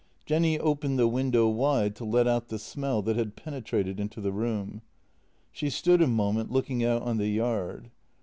Jenny opened the window wide to let out the smell that had penetrated into the room. She stood a moment looking out on the yard.